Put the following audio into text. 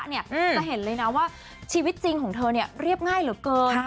จะเห็นเลยนะว่าชีวิตจริงของเธอเรียบง่ายเหลือเกิน